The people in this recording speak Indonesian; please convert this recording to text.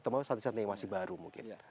atau memang santri santri yang masih baru mungkin